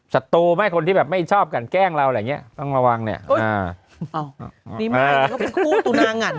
ศัตรูไม่คนที่แบบไม่ชอบกันแกล้งเราแล้วเนี้ยต้องระวังเนี้ยอ่าอ่ะ